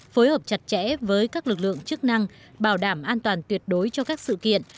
phối hợp chặt chẽ với các lực lượng chức năng bảo đảm an toàn tuyệt đối cho các sự kiện